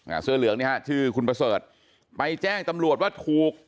เสื้อเหลืองเนี่ยฮะชื่อคุณประเสริฐไปแจ้งตำรวจว่าถูก